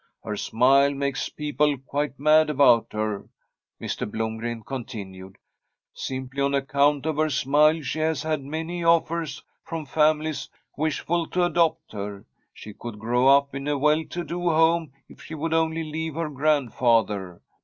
Her smile makes people quite mad about her,' Mr. Blomgren continued. ' Simply on account of her smile she has had many offers from families wishful to adopt her. She could grow up in a well to do home if she would only leave her grandfather.